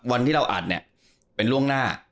วันที่เราอัดเนี่ยเป็นล่วงหน้า